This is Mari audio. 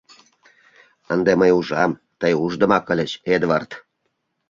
Ынде мый ужам, тый ушдымак ыльыч, Эдвард.